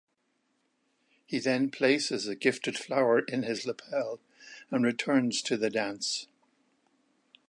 He then places a gifted flower in his lapel and returns to the dance.